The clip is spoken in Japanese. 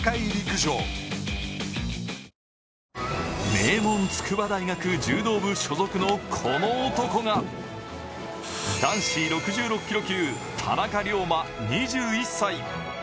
名門・筑波大学柔道部所属のこの男が男子６６キロ級、田中龍馬２１歳。